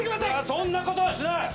そんなことはしない。